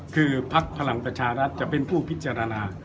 คือภักดิ์พลังประชารัฐจะเป็นผู้พิจารณา